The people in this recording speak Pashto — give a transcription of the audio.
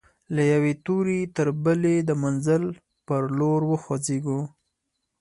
له یوې توري تر بلي د منزل پر لور خوځيږو